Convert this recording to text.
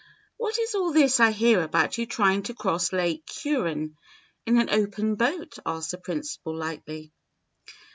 "What is all this I hear about your trying to cross Lake Huron in an open boat?" asked the principal, lightly.